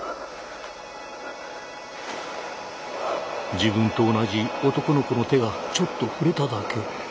自分と同じ男の子の手がちょっと触れただけ。